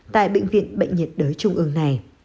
tại bệnh viện bệnh nhiệt đới trung ương này